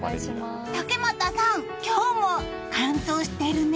竹俣さん、今日も乾燥しているね。